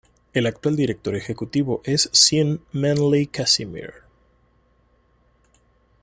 El actual Director Ejecutivo es Sean Manley-Casimir.